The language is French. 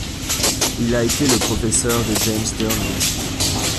Il a été le professeur de James Durno.